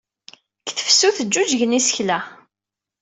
Deg tefsut, ǧǧuǧugen yisekla.